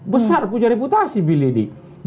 besar punya reputasi bill clinton